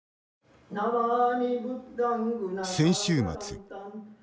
先週末。